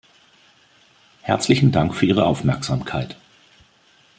Herzlichen Dank für Ihre Aufmerksamkeit.